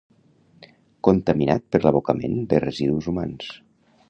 Contaminat per l'abocament de residus humans.